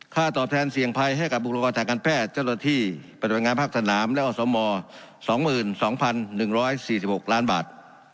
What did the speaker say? ตอบแทนเสี่ยงภัยให้กับบุคลากรทางการแพทย์เจ้าหน้าที่ปฏิบัติงานภาคสนามและอสม๒๒๑๔๖ล้านบาท